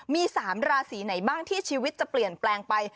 มี๓ราศีไหนบ้างที่ชีวิตจะเปลี่ยนแปลงไป